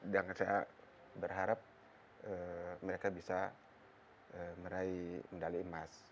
dan saya berharap mereka bisa meraih medali emas